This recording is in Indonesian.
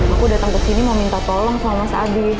aku datang kesini mau minta tolong sama mas abi